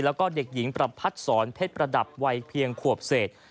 แล้วก็เด็กหญิงประพัดศรเพชรประดับวัยเพียงขวบเศษ